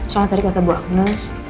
soal tadi kata bu agnes